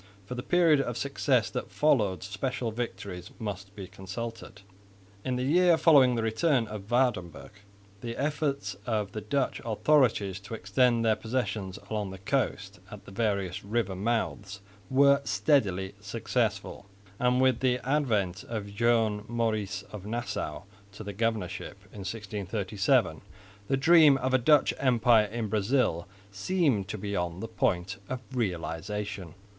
For the period of success that followed special histories must be consulted. In the year following the return of Waerdenburgh the efforts of the Dutch authorities to extend their possessions along the coast at the various river mouths were steadily successful; and with the advent of Joan Maurice of Nassau to the governorship, in 1637, the dream of a Dutch empire in Brazil seemed to be on the point of realisation.